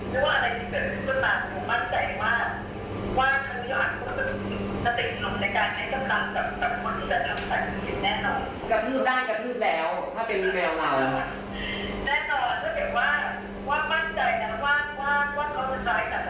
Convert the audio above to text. ในสภาพแบบนี้ที่เป็นเกิดขึ้นที่โยบคือหวังว่าจะทำได้นะครับ